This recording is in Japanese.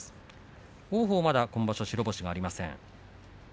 王鵬はまだ白星がありません。